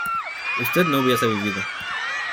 usted no hubiese vivido